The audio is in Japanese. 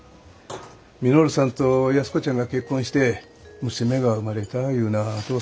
稔さんと安子ちゃんが結婚して娘が生まれたいうなあ